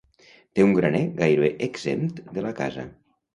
Té un graner gairebé exempt de la casa.